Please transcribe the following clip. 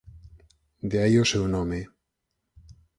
De aí o seu nome.